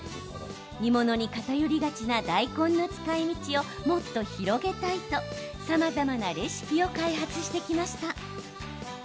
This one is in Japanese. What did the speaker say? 煮物に偏りがちな大根の使いみちをもっと広げたいとさまざまなレシピを開発してきました。